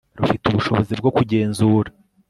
rufite ubushobozi bwo kugenzura